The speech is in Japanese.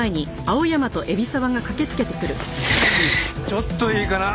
ちょっといいかな？